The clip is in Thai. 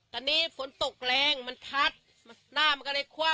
ตอนนี้ฝนตกแรงมันพัดหน้ามันก็เลยคว่ำ